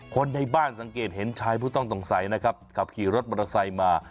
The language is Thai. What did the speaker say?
คนในบ้านสังเกตเห็นชายผู้ต้องสงสัยนะครับขับขี่รถมอเตอร์ไซค์มา